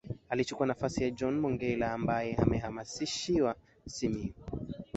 Alichukua nafasi ya John mongella ambaye amehamishiwa Simiyu